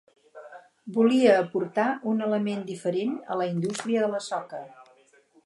Volia aportar un element diferent a la indústria de la soca.